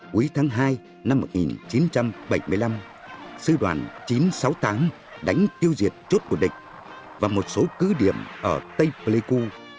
cuối tháng hai năm một nghìn chín trăm bảy mươi năm sư đoàn chín trăm sáu mươi tám đánh tiêu diệt chốt của địch và một số cứ điểm ở tây pleiku